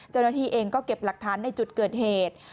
เจ้าหน้าที่เองก็เก็บหลักฐานในจุดเกิดเหตุ